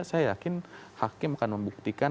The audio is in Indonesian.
saya yakin hakim akan membuktikan